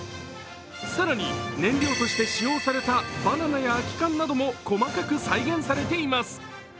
更に、燃料として使用されたバナナや空き缶なども細かく再現されています。